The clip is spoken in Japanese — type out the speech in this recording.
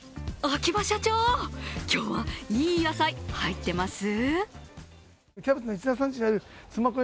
秋葉社長、今日はいい野菜、入ってます？